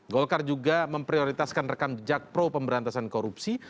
golkar juga memprioritaskan rekam jejak pro pemberantasan korupsi